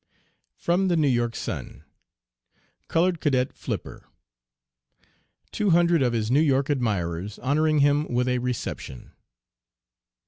(From the New York Sun.) COLORED CADET FLIPPER. TWO HUNDRED OF HIS NEW YORK ADMIRERS HONORING HIM WITH A RECEPTION.